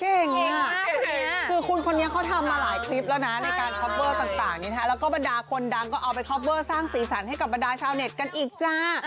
คือคุณคนนี้เขาทำมาหลายคลิปแล้วนะในการคอปเวอร์ต่างนี้นะคะแล้วก็บรรดาคนดังก็เอาไปคอปเวอร์สร้างสีสันให้กับบรรดาชาวเน็ตกันอีกจ้า